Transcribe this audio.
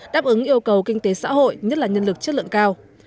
đáp ứng yêu cầu kinh tế xã hội nhất là nhân lực chất lượng cao